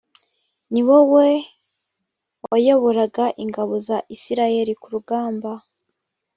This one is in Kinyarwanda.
ni wowe wayoboraga ingabo za isirayeli ku rugamba